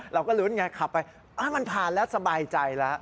เราก็ลุ้นไงขับไปมันผ่านแล้วสบายใจแล้ว